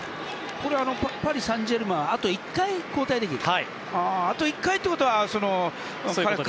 パリ・サンジェルマンはあと１回交代できる？